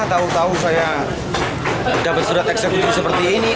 tahu tahu saya dapat surat eksekutif seperti ini